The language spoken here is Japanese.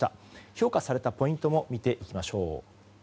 評価されたポイントも見ていきましょう。